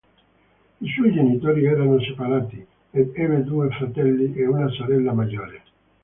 I suoi genitori erano separati ed ebbe due fratelli e una sorella maggiore.